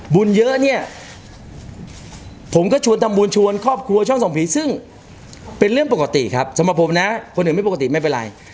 บุญเยอะเนี่ยผมก็ชวนทำบุญชวนครอบครัวช่องส่องผีซึ่งเป็นเรื่องปกติครับสำหรับผมนะคนอื่นไม่ปกติไม่เป็นไร